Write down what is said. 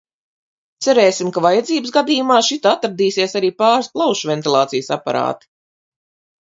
Cerēsim, ka vajadzības gadījumā šitā atradīsies arī pāris plaušu ventilācijas aparāti.